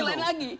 ini lain lagi